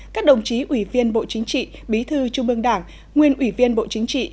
các đồng chí ủy viên bộ chính trị bí thư trung ương đảng nguyên ủy viên bộ chính trị